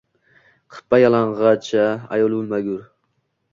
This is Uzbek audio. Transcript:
Qippa yalang’och-a, ayol o’lmagur